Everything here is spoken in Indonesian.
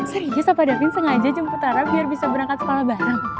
serius apa da vin sengaja jemput rara biar bisa berangkat sekolah bareng